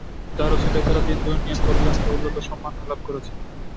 যার উসিলায় তারা দীন দুনিয়ার কল্যাণ, দৌলত ও সম্মান লাভ করেছে।